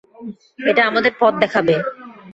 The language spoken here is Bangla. এটা আমাদের পথ দেখাবে।